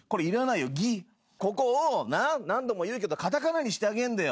ここを何度も言うけど片仮名にしてあげんだよ。